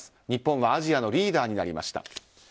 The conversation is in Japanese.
日本はアジアのリーダーになりました。